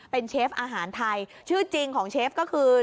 เป็นเชฟอาหารไทยชื่อจริงของเชฟก็คือ